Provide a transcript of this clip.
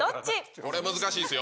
これ難しいですよ。